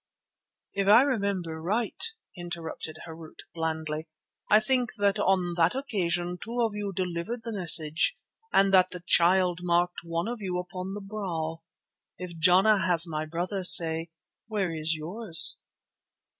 "If I remember right," interrupted Harût blandly, "I think that on that occasion two of you delivered the message and that the Child marked one of you upon the brow. If Jana has my brother, say, where is yours?"